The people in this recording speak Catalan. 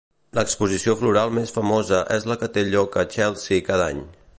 L'exposició floral més famosa és la que té lloc a Chelsea cada any.